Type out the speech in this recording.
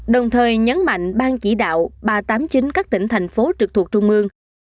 đồng thời nhấn mạnh ban chỉ đạo ba trăm tám mươi chín các tỉnh thành phố trực thuộc trung ương